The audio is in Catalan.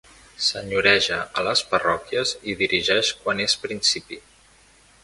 Senyoreja a les parròquies i dirigeix quan és principi.